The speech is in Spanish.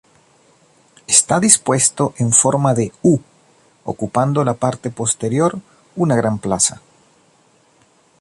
Está dispuesto en forma de U, ocupando la parte posterior una gran plaza.